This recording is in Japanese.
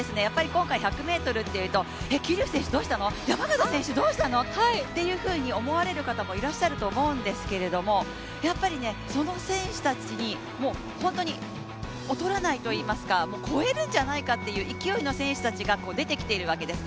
今回１００ｍというと桐生選手どうしたの、山縣選手、どうしたのって思われる方いらっしゃると思うんですけどやっぱりその選手たちに劣らないといいますか超えるんじゃないかという選手が勢いの選手たちが出てきているわけです。